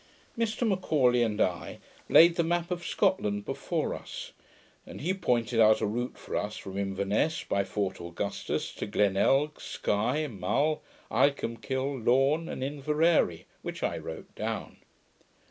Mr M'Aulay and I laid the map of Scotland before us; and he pointed out a rout for us from Inverness, by Fort Augustus, to Glenelg, Sky, Mull, Icolmkill, Lorn, and Inveraray, which I wrote down.